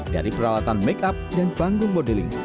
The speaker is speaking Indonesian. dari peralatan make up dan panggung modeling